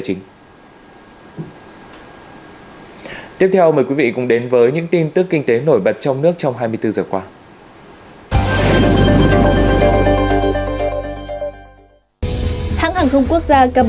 hãng tiếp theo mời quý vị cùng đến với những tin tức kinh tế nổi bật trong nước trong hai mươi bốn giờ qua